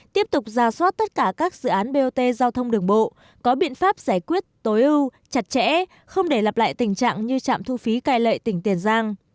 tiếp tục ra soát tất cả các dự án bot giao thông đường bộ có biện pháp giải quyết tối ưu chặt chẽ không để lặp lại tình trạng như trạm thu phí cai lệ tỉnh tiền giang